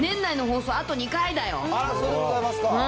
あら、そうでございますか。